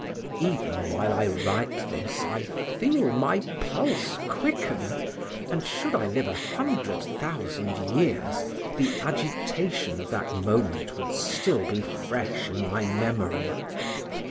Even while I write this I feel my pulse quicken, and should I live a hundred thousand years, the agitation of that moment would still be fresh in my memory.